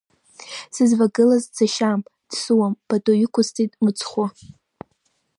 Сызвагылаз дсашьам, дсуам, пату иқәысҵеит мыцхәы…